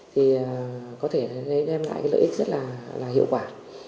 thì có thể đem lại cái lợi ích rất là hiệu quả